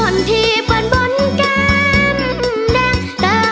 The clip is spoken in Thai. คนที่เปิดบนแกนแดงเตอร์